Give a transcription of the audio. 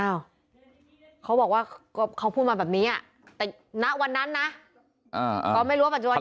เขาบอกว่าก็เขาพูดมาแบบนี้แต่ณวันนั้นนะก็ไม่รู้ว่าปัจจุบัน